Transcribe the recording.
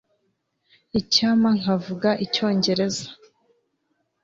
Icyampa nkavuga Icyongereza